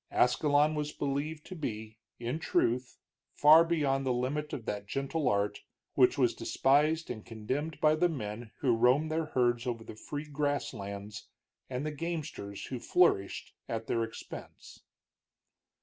Ascalon was believed to be, in truth, far beyond the limit of that gentle art, which was despised and contemned by the men who roamed their herds over the free grass lands, and the gamesters who flourished at their expense.